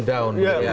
membuat orang down